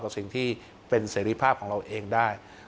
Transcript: สิ่งที่เป็นเสรีภาพของเราเองได้